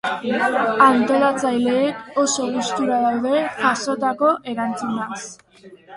Antolatzaileek oso gustura daude jasotako erantzunaz.